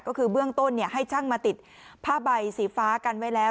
ก็คือเบื้องต้นให้ช่างมาติดผ้าใบสีฟ้ากันไว้แล้ว